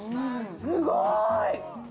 すごーい！